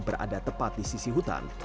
berada tepat di sisi hutan